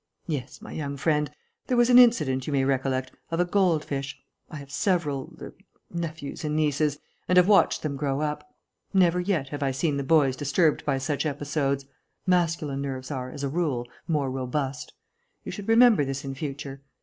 "Yes, my young friend. There was an incident, you may recollect, of a goldfish.... I have several er nephews and nieces and have watched them grow up. Never yet have I seen the boys disturbed by such episodes. Masculine nerves are, as a rule, more robust. You should remember this in future....